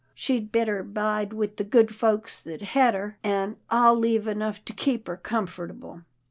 She'd better bide with the good folks that's hed her, an' I'll leave enough to keep her comfortable.'